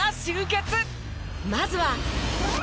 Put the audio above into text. まずは。